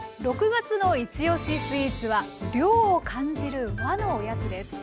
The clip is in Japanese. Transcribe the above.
６月の「いちおしスイーツ」は涼を感じる和のおやつです。